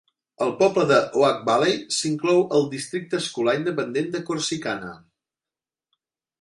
El poble d'Oak Valley s'inclou al districte escolar independent de Corsicana.